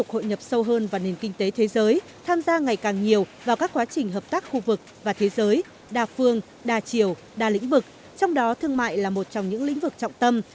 kinh tế và nền kinh tế thế giới tham gia ngày càng nhiều vào các quá trình hợp tác khu vực và thế giới đa phương đa chiều đa lĩnh vực trong đó thương mại là một trong những lĩnh vực trọng tâm